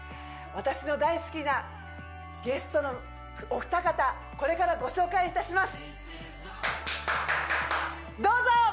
私の大好きなゲストのお二方これからご紹介いたしますどうぞ！